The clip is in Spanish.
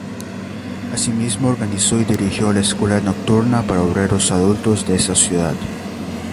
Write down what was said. Asimismo organizó y dirigió la escuela nocturna para obreros adultos de esa ciudad.